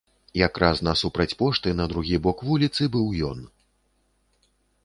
Якраз насупраць пошты на другі бок вуліцы быў ён.